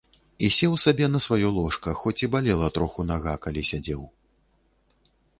І сеў сабе на сваё ложка, хоць і балела троху нага, калі сядзеў.